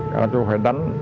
các chú phải đánh